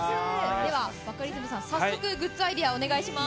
ではバカリズムさん、早速、グッズアイデアをお願いします。